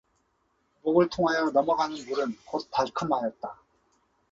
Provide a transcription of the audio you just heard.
목을 통하여 넘어가는 물은 곧 달큼하였다.